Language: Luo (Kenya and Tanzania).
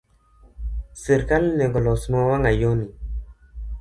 Sirkal nego olosnwa wangayo ni